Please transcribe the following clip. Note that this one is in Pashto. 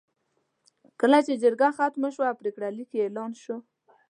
کله چې جرګه ختمه شوه او پرېکړه لیک یې اعلان شو.